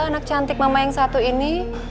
anak cantik mama yang satu ini